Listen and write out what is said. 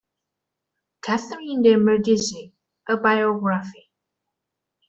"Catherine de Medici - A biography".